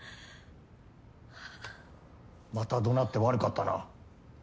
またどなって悪かったな。